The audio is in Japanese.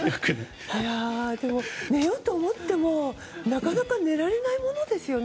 でも、寝ようと思ってもなかなか寝れないものですよね。